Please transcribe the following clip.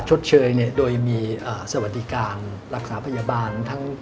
ชดเชยโดยมีสวัสดีการณ์